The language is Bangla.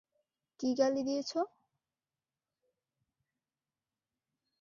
কী গালি দিয়েছো?